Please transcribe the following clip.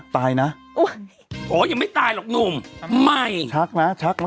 ตายนะอุ้ยโอ้ยังไม่ตายหรอกหนุ่มใหม่ชักนะชักนะ